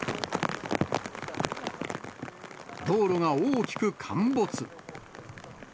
道路が大きく陥没。